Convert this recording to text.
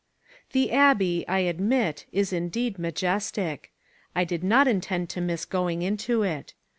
The Abbey, I admit, is indeed majestic. I did not intend to miss going into it.